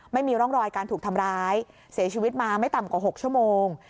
ไม่มีร่องรอยการถูกทำร้ายเสียชีวิตมาไม่ต่ำกว่า๖ชั่วโมง